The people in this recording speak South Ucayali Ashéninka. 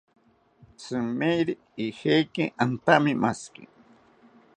Tzimeri ijeki antamimashiki